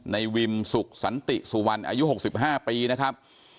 ในวิมสุขสันติสุวรรณอายุ๖๕ปีนะครับ